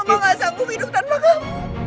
mama nggak sanggup hidup tanpa kamu